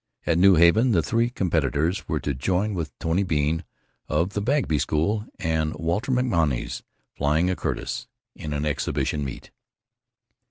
At New Haven the three competitors were to join with Tony Bean (of the Bagby School) and Walter MacMonnies (flying a Curtiss) in an exhibition meet.